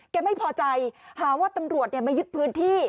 แกไม่พอใจหาว่าตำรวจเนี้ยไม่ยึดพื้นที่